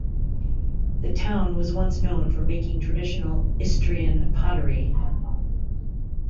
The town was once known for making traditional Istrian pottery.